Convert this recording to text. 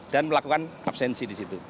dan melakukan absensi disitu